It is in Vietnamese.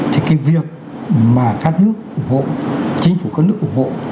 thì cái việc mà các nước ủng hộ chính phủ các nước ủng hộ